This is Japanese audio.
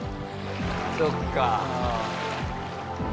そっか。